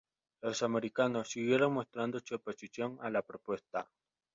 Los americanos siguieron mostrando su oposición a la propuesta.